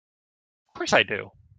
Of course I do!